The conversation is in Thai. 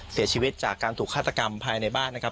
เสียชีวิตจากการถูกฆาตกรรมภายในบ้านนะครับ